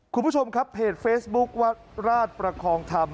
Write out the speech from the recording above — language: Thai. คุณผู้ชมครับเพจเฟซบุ๊ควัดราชประคองธรรม